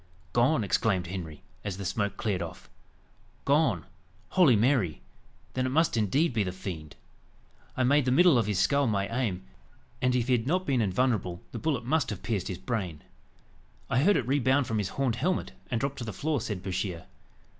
"Gone!" exclaimed Henry, as the smoke cleared off; "gone! Holy Mary! then it must indeed be the fiend. I made the middle of his skull my aim, and if he had not been invulnerable, the bullet must have pierced his brain. "I heard it rebound from his horned helmet, and drop to the floor," said Bouchier.